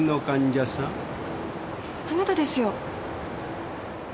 あなたですよ。